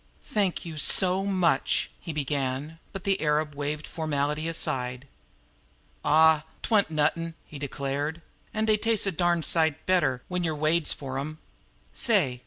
"Thank you, so much," he began, but the arab waved formality aside. "Aw, 't wan't nuttin'," he declared, "an' dey tastes a darn sight better when yer wades fer 'em. Say!